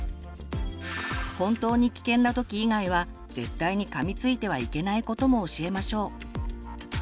本当に危険なとき以外は絶対にかみついてはいけないことも教えましょう。